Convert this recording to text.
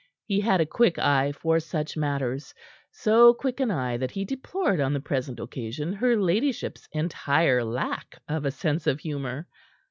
He had a quick eye for such matters; so quick an eye that he deplored on the present occasion her ladyship's entire lack of a sense of humor.